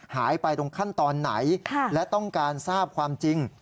หายไปตรงขั้นตอนไหนและต้องการทราบความจริง